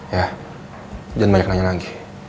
ya jangan banyak nanya lagi